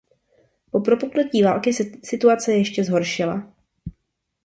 Po propuknutí války se situace ještě zhoršila.